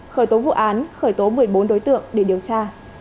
khởi tố vụ án khởi tố một mươi bốn đối tượng để điều tra